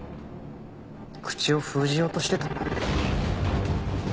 口を封じようとしてた。